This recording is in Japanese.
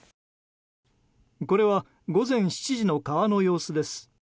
これは午前７時の川の様子です。